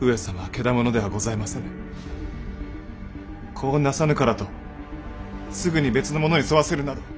子をなさぬからとすぐに別の者に添わせるなど。